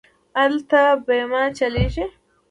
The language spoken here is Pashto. ایا دلته بیمه چلیږي؟